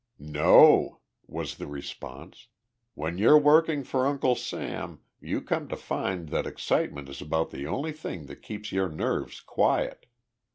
"No," was the response. "When you're working for Uncle Sam you come to find that excitement is about the only thing that keeps your nerves quiet.